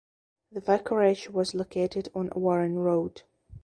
The vicarage was located on Warren Road.